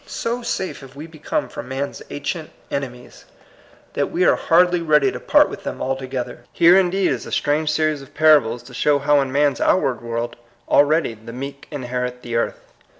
So safe have we be come from man's ancient enemies, that we THE PROPHECY. 9 are hardly ready to part with them alto gether. Here, indeed, is a strange series of parables to show how in man's oatward world already ^^ the meek inherit the earth."